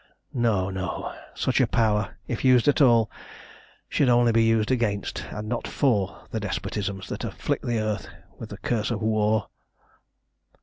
No, no! Such a power, if used at all, should only be used against and not for the despotisms that afflict the earth with the curse of war!"